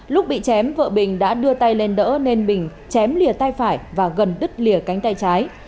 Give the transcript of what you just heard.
lúc bị chém vợ bình đã đưa tay lên đỡ nên bình chém lìa tay phải và gần đứt lìa cánh tay trái